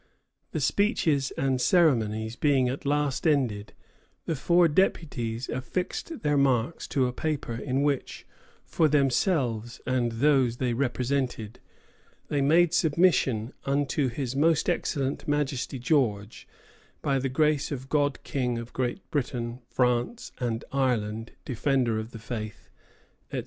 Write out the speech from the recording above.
The speeches and ceremonies being at last ended, the four deputies affixed their marks to a paper in which, for themselves and those they represented, they made submission "unto his most excellent Majesty George, by the grace of God king of Great Britain, France, and Ireland, defender of the Faith," etc.